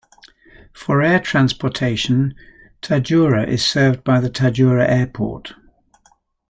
For air transportation, Tajdoura is served by the Tadjoura Airport.